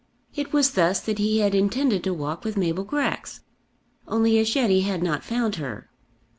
It was thus that he had intended to walk with Mabel Grex; only as yet he had not found her.